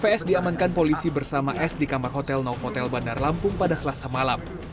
vs diamankan polisi bersama s di kamar hotel novotel bandar lampung pada selasa malam